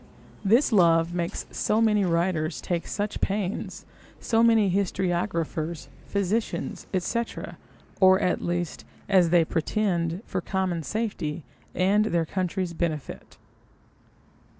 This love makes so many writers take such pains, so many historiographers, physicians, &c., or at least, as they pretend, for common safety, and their country's benefit.